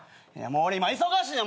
俺今忙しいねん。